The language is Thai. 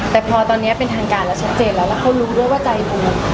แต่พอตอนนี้เป็นทางการแล้วชัดเจนแล้วแล้วเขารู้ด้วยว่าใจหนู